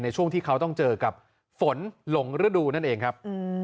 ในช่วงที่เขาต้องเจอกับฝนหลงฤดูนั่นเองครับ